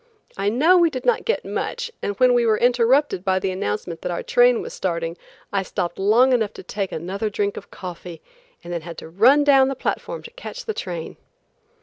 I know we did not get much, and when we were interrupted by the announcement that our train was starting, I stopped long enough to take another drink of coffee and then had to run down the platform to catch the train.